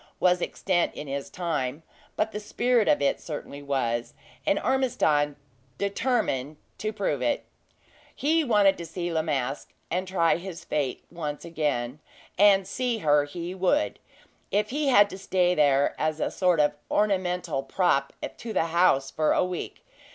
was extant in his time; but the spirit of it certainly was, and Ormiston determined to prove it. He wanted to see La Masque, and try his fate once again; and see her he would, if he had to stay there as a sort of ornamental prop to the house for a week.